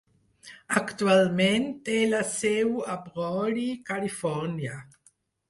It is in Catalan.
Actualment té la seu a Brawley (Califòrnia).